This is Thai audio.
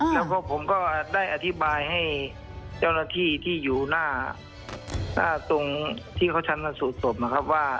แล้วก็ผมก็ได้อธิบายให้เจ้าหน้าที่ที่อยู่หน้าตรงที่เขาชันสูตรศพนะครับว่า